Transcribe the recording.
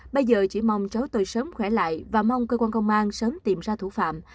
bây giờ chỉ mong cháu tôi sớm khỏe lại và mong cơ quan công an sớm tìm ra thủ phạm